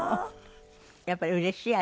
やっぱりうれしい？